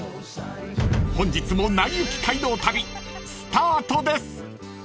［本日も『なりゆき街道旅』スタートです］